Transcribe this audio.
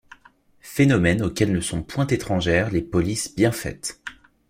Phénomène auquel ne sont point étrangères les polices « bien faites ».